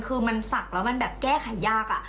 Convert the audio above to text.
คือมันสักแล้วมันแบบแก้ไขยาก